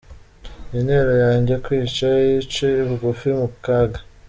Intero yange kwica, uce bugufi mukaga,.